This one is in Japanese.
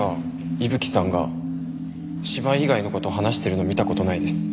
伊吹さんが芝居以外の事を話してるの見た事ないです。